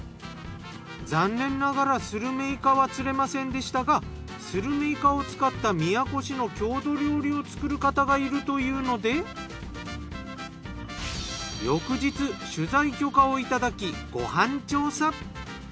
残念ながらスルメイカは釣れませんでしたがスルメイカを使った宮古市の郷土料理を作る方がいるというので翌日取材許可をいただきご飯調査。